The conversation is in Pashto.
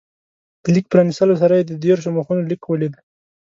د لیک پرانستلو سره یې د دېرشو مخونو لیک ولید.